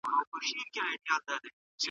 د نفس غوښتني نه پوره کېږي.